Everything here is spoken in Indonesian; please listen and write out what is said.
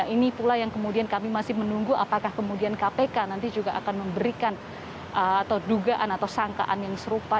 ini pula yang kemudian kami masih menunggu apakah kemudian kpk nanti juga akan memberikan atau dugaan atau sangkaan yang serupa